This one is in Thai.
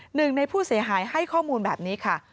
หนึ่งในผู้เสียหายให้ข้อมูลแบบนี้ค่ะ